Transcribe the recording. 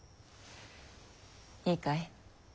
いいかい？